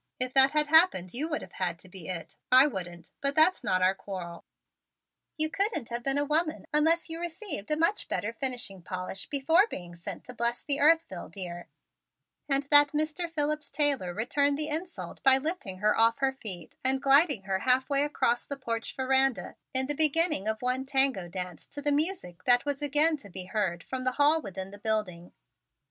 If that had happened you would have had to be it. I wouldn't. But that's not our quarrel." "You couldn't have been a woman unless you had received a much better finishing polish before being sent to bless the earth, Phil, dear," said that funny Mademoiselle Mildred Summers, and that Mr. Phillips Taylor returned the insult by lifting her off of her feet and gliding her halfway across the porch verandah in the beginning of one tango dance to the music that was again to be heard from the hall within the building.